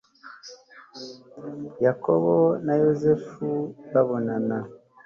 Yakobo na Yosefu babonana